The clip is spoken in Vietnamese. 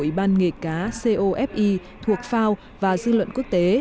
ủy ban nghề cá cofi thuộc fao và dư luận quốc tế